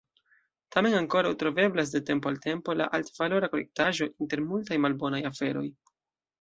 Tamen ankoraŭ troveblas de tempo al tempo ia altvalora kolektaĵo inter multaj malbonaj aferoj.